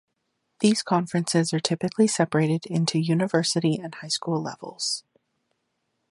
These conferences are typically separated into university and high school levels.